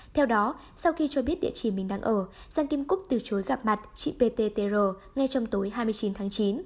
theo đó sau khi cho biết địa chỉ mình đang ở san kim cúc từ chối gặp mặt chị pttr ngay trong tối hai mươi chín tháng chín